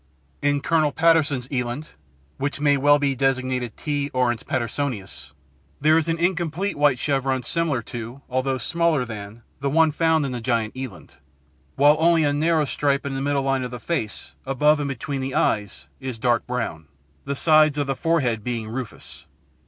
"In Colonel Patterson's eland (which may well be designated T. oryx pattersonianus) there is an incomplete white chevron similar to, although rather smaller than, the one found in the giant eland, while only a narrow stripe in the middle line of the face, above and between the eyes, is dark brown, the sides of the forehead being rufous.